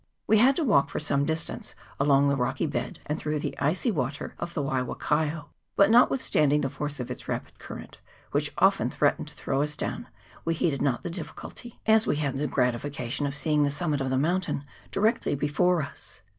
We had to walk for some distance along the rocky bed and through the icy water of the Waiwakaio ; but not withstanding the force of its rapid current, which often threatened to throw us down, we heeded not the difficulty, as we had the gratification of seeing the summit of the mountain directly before us.